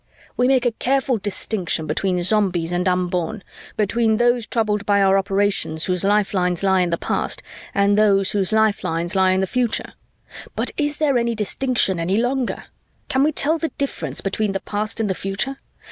"We make a careful distinction between Zombies and Unborn, between those troubled by our operations whose lifelines lie in the past and those whose lifelines lie in the future. But is there any distinction any longer? Can we tell the difference between the past and the future?